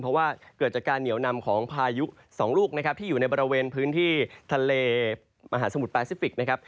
เพราะว่าเกิดจากการเหนียวนำของพายุ๒ลูกนะครับที่อยู่ในบริเวณพื้นที่ทะเลมหาสมุทรแปซิฟิกนะครับ